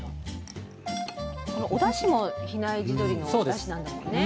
このおだしも比内地鶏のおだしなんだもんね。